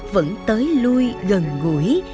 vẫn tới lui gần gũi